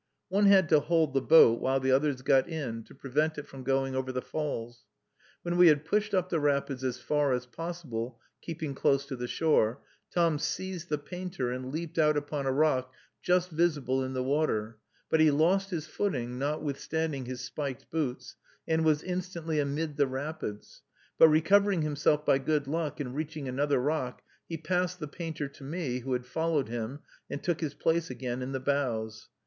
One had to hold the boat while the others got in to prevent it from going over the falls. When we had pushed up the rapids as far as possible, keeping close to the shore, Tom seized the painter and leaped out upon a rock just visible in the water, but he lost his footing, notwithstanding his spiked boots, and was instantly amid the rapids; but recovering himself by good luck, and reaching another rock, he passed the painter to me, who had followed him, and took his place again in the bows.